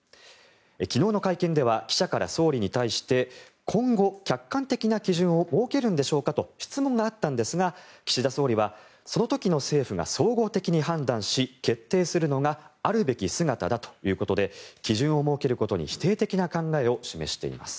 昨日の会見では記者から総理に対して今後、客観的な基準を設けるんでしょうかと質問があったんですが岸田総理はその時の政府が総合的に判断し決定するのがあるべき姿だということで基準を設けることに否定的な考えを示しています。